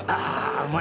うまい。